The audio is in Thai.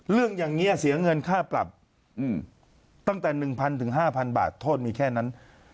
เรื่องอย่างนี้เสียเงินค่าปรับตั้งแต่๑๐๐๕๐๐บาทโทษมีแค่นั้น